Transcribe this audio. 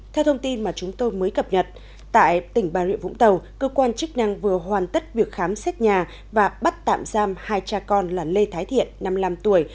theo thông tin mà chúng tôi mới cập nhật tại tỉnh bà rịa vũng tàu cơ quan chức năng vừa hoàn tất việc khám xét nhà và bắt tạm giam hai cha con là lê thái thiện năm mươi năm tuổi